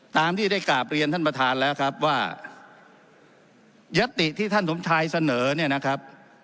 ตามที่ได้กราบเรียนท่านประธานแล้วครับว่ายัตติที่ท่านสมชายเสนอเนี่ยนะครับ